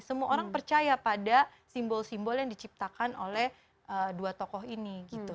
semua orang percaya pada simbol simbol yang diciptakan oleh simbol simbol